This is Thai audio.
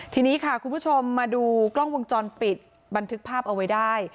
ทีนี้ค่ะคุณผู้ชมมาดูกล้องวงจรปิดบันทึกภาพเอาไว้ได้